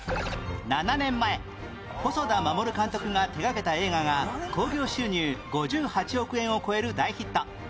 ７年前細田守監督が手掛けた映画が興行収入５８億円を超える大ヒット